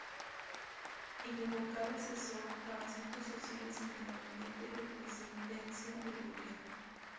Y de Vocal Asesor para Asuntos Sociales en el Gabinete de Presidencia del Gobierno.